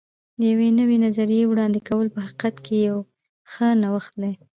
د یوې نوې نظریې وړاندې کول په حقیقت کې یو ښه نوښت دی.